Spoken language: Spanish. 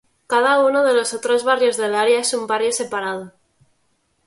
Cada uno de los otros barrios del área es un barrio separado.